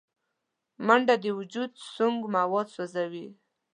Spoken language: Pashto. منډه د وجود سونګ مواد سوځوي